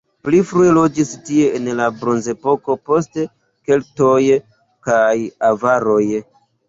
Pli frue loĝis tie en la bronzepoko, poste keltoj kaj avaroj.